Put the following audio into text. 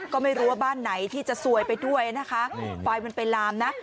ก็ไม่รู้ว่าบ้านไหนที่จะซวยไปด้วยนะคะไฟมันไปลามนะ